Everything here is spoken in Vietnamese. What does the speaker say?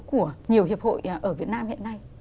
của nhiều hiệp hội ở việt nam hiện nay